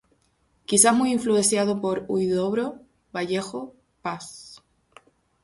Quizás muy influenciado por Huidobro, Vallejo, Paz.